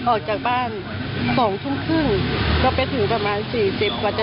ออกจากบ้าน๒ทุ่มครึ่งก็ไปถึงประมาณ๔๐กว่าจะ